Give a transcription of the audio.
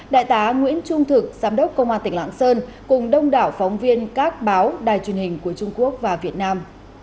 đại tá nguyễn trung thực giám đốc công an tỉnh lạng sơn cùng đông đảo phóng viên các báo đài truyền hình của trung quốc và việt nam